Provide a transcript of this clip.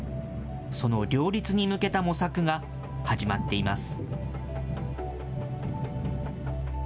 その両立に向けた模索が始まっています。